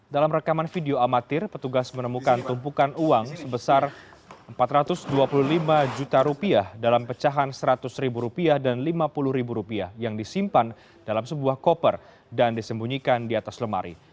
dalam rekaman video amatir petugas menemukan tumpukan uang sebesar rp empat ratus dua puluh lima juta rupiah dalam pecahan seratus ribu rupiah dan lima puluh ribu rupiah yang disimpan dalam sebuah koper dan disembunyikan di atas lemari